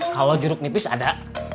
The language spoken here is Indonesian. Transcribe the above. kalau jeruk nipis ada